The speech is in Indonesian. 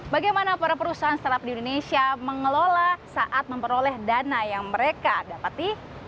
bagaimana para perusahaan startup di indonesia mengelola saat memperoleh dana yang mereka dapati